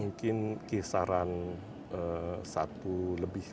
mungkin kisaran satu lebih